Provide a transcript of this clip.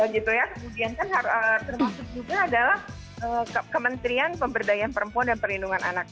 kemudian kan termasuk juga adalah kementerian pemberdayaan perempuan dan perlindungan anak